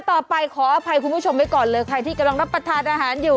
ต่อไปขออภัยคุณผู้ชมไว้ก่อนเลยใครที่กำลังรับประทานอาหารอยู่